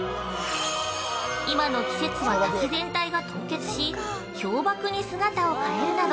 今の季節は滝全体が凍結し氷瀑に姿を変えるなど